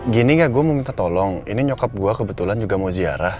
gini gak gue mau minta tolong ini nyokap gue kebetulan juga mau ziarah